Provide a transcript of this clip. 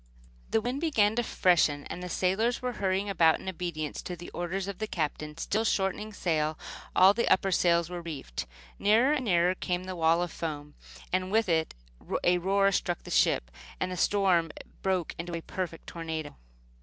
The wind began to freshen, and the sailors were hurrying about in obedience to the orders of the Captain, still shortening sail. All the upper sails were reefed. Nearer and nearer came the wall of foam, and with a roar it struck the ship, and the storm broke in a perfect tornado.